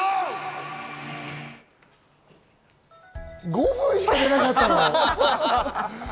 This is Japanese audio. ５分しか出なかったの？